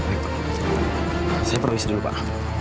saya perlu istirahat dulu pak